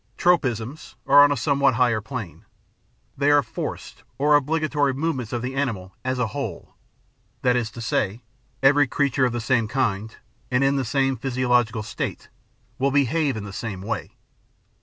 Tropisms are on a somewhat higher plane; they are forced or obligatory movements of the animal as a whole, that is to say, every creature of the same kind, and in the same physiological state, will behave in the same way.